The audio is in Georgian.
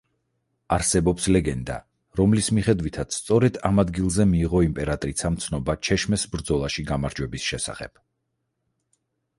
არსებობს ლეგენდა, რომლის მიხედვითაც სწორედ ამ ადგილზე მიიღო იმპერატრიცამ ცნობა ჩეშმეს ბრძოლაში გამარჯვების შესახებ.